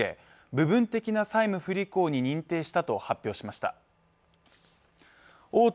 部分的な債務不履行に認定したと発表しました。